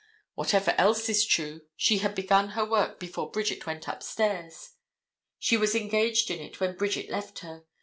Whatever else is true, she had begun her work before Bridget went upstairs, she was engaged in it when Bridget left her.